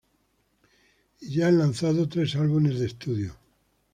Y ya han lanzado tres álbumes de estudio.